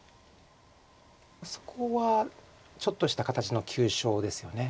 そこはちょっとした形の急所ですよね。